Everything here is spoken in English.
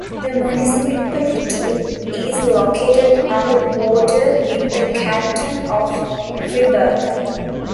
The municipality is located on the border with the Canton of Fribourg.